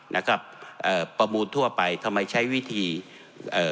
นะครับเอ่อประมูลทั่วไปทำไมใช้วิธีเอ่อ